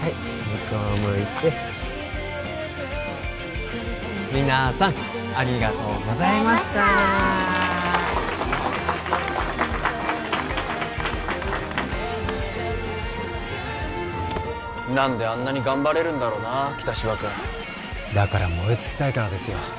向こう向いて皆さんありがとうございました何であんなに頑張れるんだろうな北芝君だから燃え尽きたいからですよ